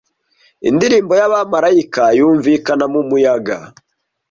Indirimbo y'abamarayika yumvikana mumuyaga